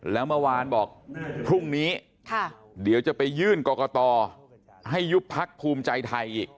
แล้วเมื่อวานบอกพรุ่งนี้เดี๋ยวจะไปยื่นกรกตให้ยุบพักภูมิใจไทยอีก